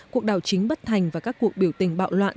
cuộc đảo chính bất thành và các cuộc biểu tình bạo loạn